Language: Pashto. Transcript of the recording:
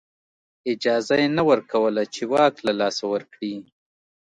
اجازه یې نه ورکوله چې واک له لاسه ورکړي.